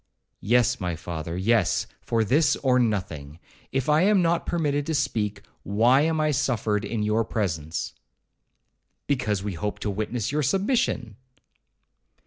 'Yes, my father,—yes, for this or nothing. If I am not permitted to speak, why am I suffered in your presence?' 'Because we hoped to witness your submission.'